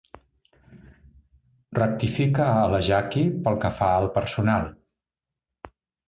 Rectifica a la Jackie pel que fa al personal.